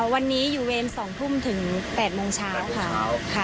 วันนี้อยู่เวร๒ทุ่มถึง๘โมงเช้าค่ะ